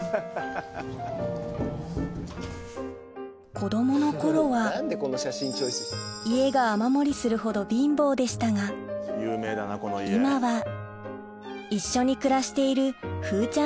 子供の頃は家が雨漏りするほど貧乏でしたが今は一緒に暮らしている風ちゃん